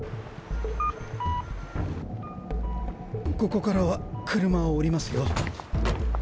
ここからは車を降りますよ。